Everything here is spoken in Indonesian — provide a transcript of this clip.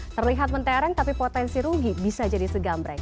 terlihat mentereng tapi potensi rugi bisa jadi segambreng